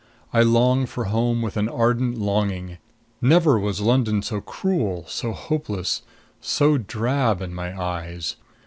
I long for home with an ardent longing; never was London so cruel, so hopeless, so drab, in my eyes.